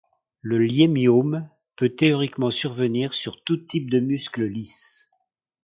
Le léiomyome peut théoriquement survenir sur tous types de muscle lisse.